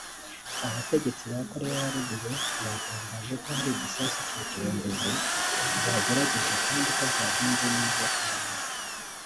abategetsi ba Koreya ya Ruguru batangaje ko hari igisasu cya kirimbuzi bagerageje kandi ngo byagenze neza cyane